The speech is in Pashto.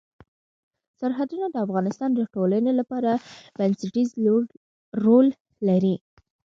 سرحدونه د افغانستان د ټولنې لپاره بنسټيز رول لري.